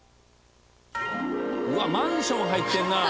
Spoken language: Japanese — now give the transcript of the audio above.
うわマンション入ってるな！